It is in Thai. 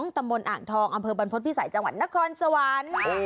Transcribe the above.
ตำบลอ่างทองอำเภอบรรพฤษภิษัยจังหวัดนครสวรรค์